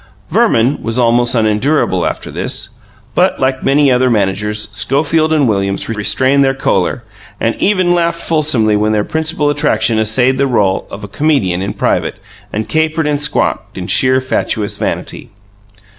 Verman was almost unendurable after this, but, like many, many other managers, Schofield and Williams restrained their choler, and even laughed fulsomely when their principal attraction essayed the role of a comedian in private, and capered and squawked in sheer, fatuous vanity.